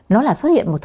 nó là xuất hiện một lần